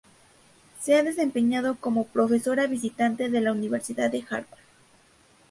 Se ha desempeñado como Profesora Visitante de la Universidad de Harvard.